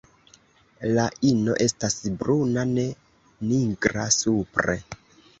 La ino estas bruna, ne nigra, supre.